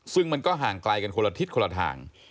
ซึ่งมันก็ห่างไกลกันคนละทิศคนละทาง